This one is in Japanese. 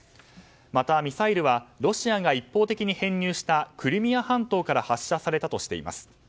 また、ミサイルはロシアが一方的に編入したクリミア半島から発射されたとしています。